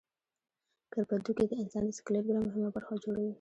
کرپندوکي د انسان د سکلیټ بله مهمه برخه جوړوي.